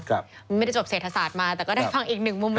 มันไม่ได้จบเศรษฐศาสตร์มาแต่ก็ได้ฟังอีกหนึ่งมุมเลย